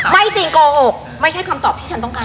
ไม่จริงโกหกไม่ใช่คำตอบที่ฉันต้องการ